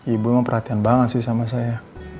ibu memang perhatian banget sih sama saya